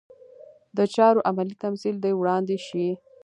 د چارو عملي تمثیل دې وړاندې شي.